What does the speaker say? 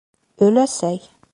Оләсәй.